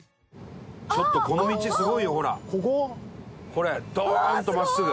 これドーンと真っすぐ。